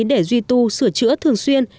để duy tu sửa chữa thường xuyên